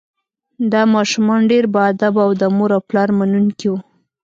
دا ماشومان ډیر باادبه او د مور او پلار منونکي وو